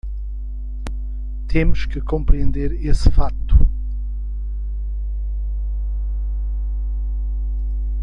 Temos que compreender esse fato.